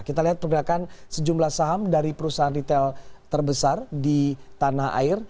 kita lihat pergerakan sejumlah saham dari perusahaan retail terbesar di tanah air